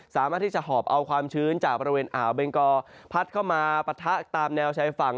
สามารถที่จะหอบเอาความชื้นจากบริเวณอ่าวเบงกอพัดเข้ามาปะทะตามแนวชายฝั่ง